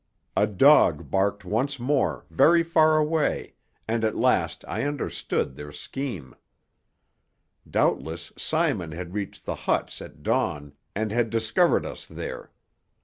A dog barked once more, very far away, and at last I understood their scheme. Doubtless Simon had reached the huts at dawn and had discovered us there.